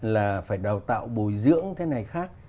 là phải đào tạo bồi dưỡng thế này khác